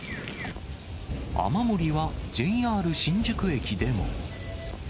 雨漏りはＪＲ新宿駅でも。